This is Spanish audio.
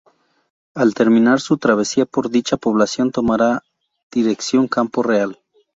Al terminar su travesía por dicha población tomara dirección Campo Real.